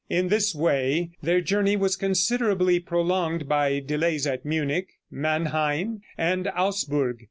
In this way their journey was considerably prolonged by delays at Munich, Mannheim and Augsburg.